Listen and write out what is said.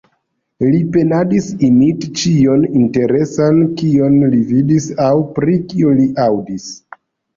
Li penadis imiti ĉion interesan, kion li vidis aŭ pri kio li aŭdis.